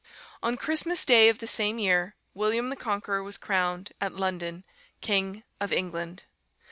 On Christmas day of the same year, William the Conqueror was crowned at London, King of England.